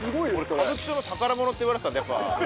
歌舞伎町の宝物っていわれてたんで、やっぱ。